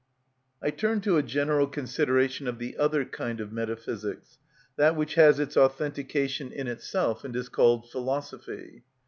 I turn to a general consideration of the other kind of metaphysics, that which has its authentication in itself, and is called philosophy.